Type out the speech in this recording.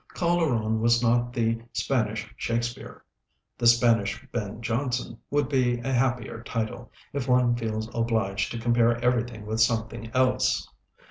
Calderon was not "the Spanish Shakespeare." "The Spanish Ben Jonson" would be a happier title, if one feels obliged to compare everything with something else.